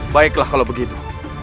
baiklah kalau begitu